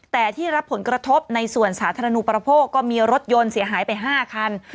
แต่ที่รับผลกระทบในส่วนสาธารณูประโภคก็มีรถยนต์เสียหายไป๕คัน